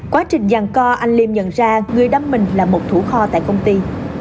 quá trình giàn co anh liêm nhận ra người đâm mình là một thủ kho tại công ty